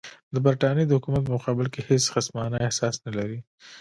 د برټانیې د حکومت په مقابل کې هېڅ خصمانه احساس نه لري.